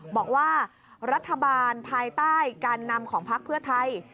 บอกว่ารัฐบาลภายใต้การนำของพักเพื่อไทย